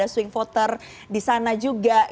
swing voter disana juga